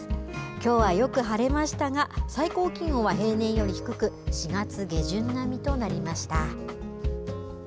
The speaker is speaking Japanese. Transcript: きょうはよく晴れましたが、最高気温は平年より低く、４月下旬並みとなりました。